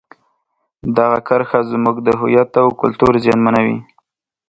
دغه کرښه زموږ د هویت او کلتور زیانمنوي.